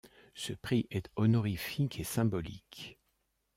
Ce prix est honorifique et symbolique.